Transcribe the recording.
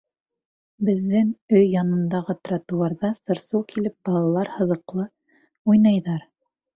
Беҙҙең өй янындағы тротуарҙа сыр-сыу килеп балалар һыҙыҡлы уйнайҙар.